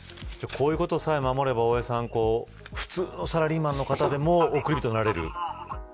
こういうことさえ守れば普通のサラリーマンの方でも億り人になれる。